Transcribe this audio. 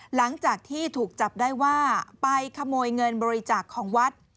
หลังจากที่ถูกจับได้ว่าไปขโมยเงินบริจาคของวัด